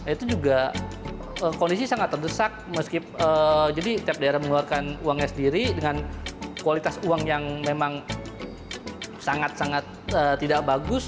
itu juga kondisi sangat terdesak jadi tiap daerah mengeluarkan uangnya sendiri dengan kualitas uang yang memang sangat sangat tidak bagus